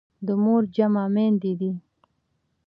د مور جمع میندي دي.